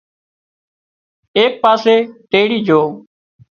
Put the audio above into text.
ايڪ پاسي تيڙِي جھو